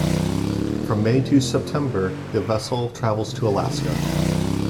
From May to September, the vessel travels to Alaska.